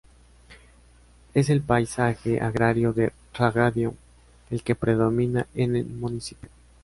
Es el paisaje agrario de regadío el que predomina en el municipio.